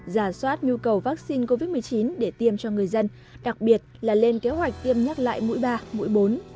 giả soát nhu cầu vaccine covid một mươi chín để tiêm cho người dân đặc biệt là lên kế hoạch tiêm nhắc lại mũi ba mũi bốn